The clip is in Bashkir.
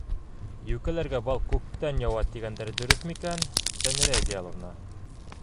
Йүкәләргә бал күктән яуа тигәндәре дөрөҫ микән, Сәмәрә Идеаловна?